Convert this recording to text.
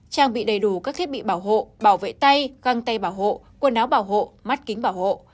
trang bị đầy đủ các thiết bị bảo hộ bảo vệ tay găng tay bảo hộ quần áo bảo hộ mắt kính bảo hộ